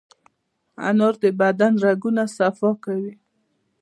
انار د بدن رګونه صفا کوي.